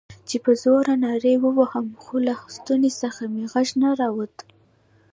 چې په زوره نارې ووهم، خو له ستوني څخه مې غږ نه راووت.